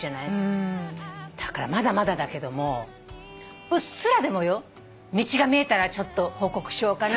だからまだまだだけどもうっすらでもよ道が見えたらちょっと報告しようかな。